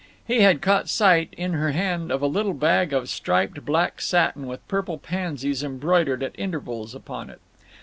He had caught sight, in her hand, of a little bag of striped black satin with purple pansies embroidered at intervals upon it.